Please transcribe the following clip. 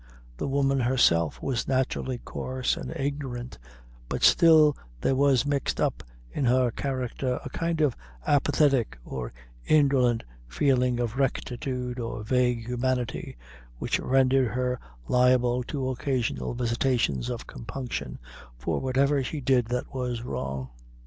The woman herself was naturally coarse and ignorant; but still there was mixed, up in her character a kind of apathetic or indolent feeling of rectitude or vague humanity, which rendered her liable to occasional visitations of compunction for whatever she did that was wrong.